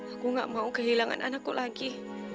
aku gak mau kehilangan anakku lagi